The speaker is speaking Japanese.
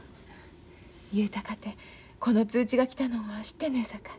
雄太かてこの通知が来たのは知ってんのやさかい。